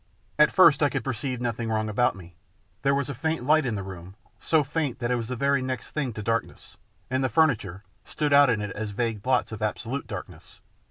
At first I could perceive nothing wrong about me. There was a faint light in the room, so faint that it was the very next thing to darkness, and the furniture stood out in it as vague blots of absolute darkness.